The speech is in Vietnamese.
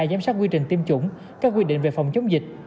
giám sát quy trình tiêm chủng các quy định về phòng chống dịch